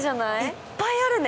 いっぱいあるね。